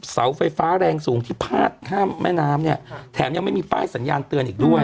เสาไฟฟ้าแรงสูงที่พาดข้ามแม่น้ำเนี่ยแถมยังไม่มีป้ายสัญญาณเตือนอีกด้วย